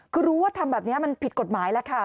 คือรู้ว่าทำแบบนี้มันผิดกฎหมายแล้วค่ะ